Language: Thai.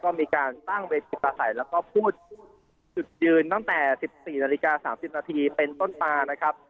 ก็มีการตั้งเวทประสัยและก็คลุกจุดยืนตั้งแต่๑๔นาฬิกา๓๐นาทีเป็นต้นตา